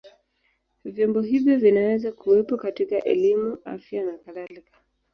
Vyombo hivyo vinaweza kuwepo katika elimu, afya na kadhalika.